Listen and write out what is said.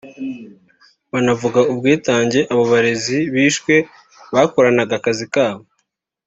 banavuga ubwitange abo barezi bishwe bakoranaga akazi kabo